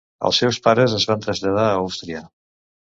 Els seus pares es van traslladar a Àustria.